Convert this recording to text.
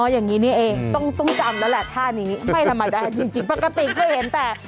อย่างนี้นี่เองต้องจำแล้วแหละท่านี้ไม่ธรรมดาจริงปกติเคยเห็นแต่